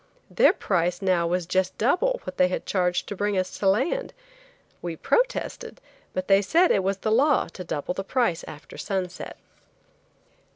Their price now was just double what they had charged to bring us to land. We protested, but they said it was the law to double the price after sunset.